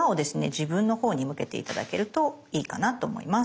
自分のほうに向けて頂けるといいかなと思います。